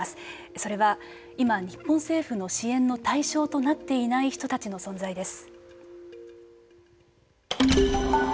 それは今日本政府の支援の対象となっていない人たちの存在です。